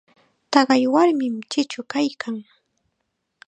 Taqay warmim chichu kaykan.